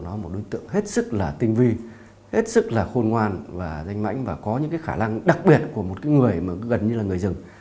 nó là một đối tượng hết sức là tinh vi hết sức là khôn ngoan và danh mảnh và có những khả năng đặc biệt của một người gần như là người rừng